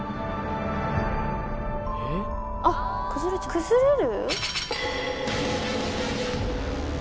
崩れる？